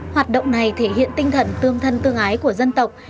hoạt động này thể hiện tinh thần tương thân tương ái của dân tộc